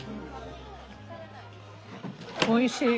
おいしい。